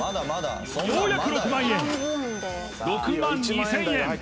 ようやく６万円６万２０００円